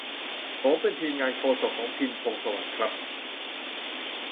ผมเป็นทีมงานโฆษกของ พิชญ์ พงษ์สวัสดิ์ ครับ